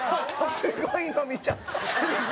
すごいの見ちゃった俺。